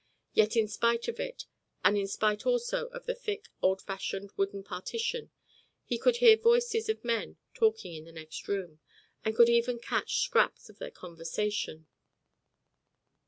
Yet in spite of it, and in spite also of the thick, old fashioned wooden partition, he could hear voices of men talking in the next room, and could even catch scraps of their conversation.